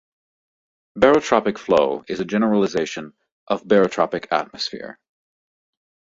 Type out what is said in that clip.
A barotropic flow is a generalization of a barotropic atmosphere.